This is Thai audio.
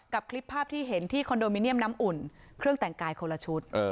คลิปภาพที่เห็นที่คอนโดมิเนียมน้ำอุ่นเครื่องแต่งกายคนละชุด